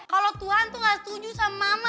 kalau tuhan tuh gak setuju sama mama